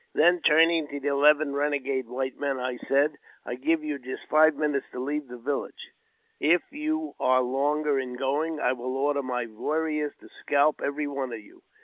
Then, turning to the eleven renegade white men, I said, " I give you just five minutes to leave the village; if you are longer in going, I will order my warriors to scalp every one of you.